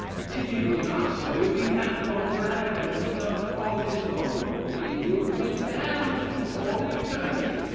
If he be not so, if he hath a rag that he doth call his own, he will be damned to all eternity.